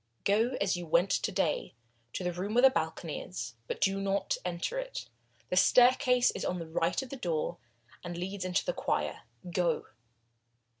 "Go as you went to day, to the room where the balcony is, but do not enter it. The staircase is on the right of the door, and leads into the choir. Go!"